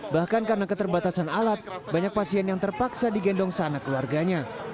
bahkan karena keterbatasan alat banyak pasien yang terpaksa digendong seanak keluarganya